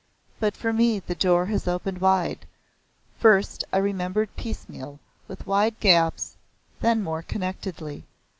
But for me the door has opened wide. First, I remembered piecemeal, with wide gaps, then more connectedly.